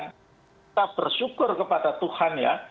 kita bersyukur kepada tuhan ya